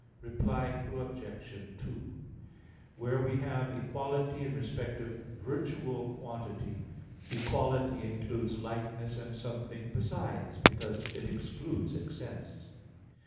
Reply Obj. 2: Where we have equality in respect of virtual quantity, equality includes likeness and something besides, because it excludes excess.